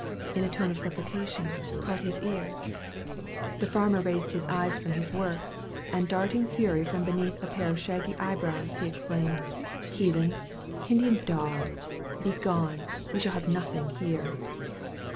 in a tone of supplication, caught his ear. The farmer raised his eyes from his work, and darting fury from beneath a pair of shaggy eyebrows, he exclaimed, "Heathen, Indian dog, begone! you shall have nothing here."